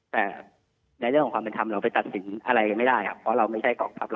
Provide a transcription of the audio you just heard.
แต่ในเรื่องของความเป็นธรรมเราไปตัดสินอะไรกันไม่ได้ครับเพราะเราไม่ใช่กองทัพ